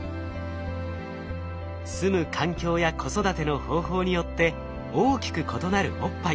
住む環境や子育ての方法によって大きく異なるおっぱい。